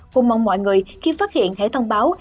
cũng mong mọi người khi phát hiện hãy thông báo